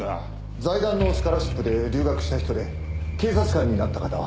財団のスカラシップで留学した人で警察官になった方は？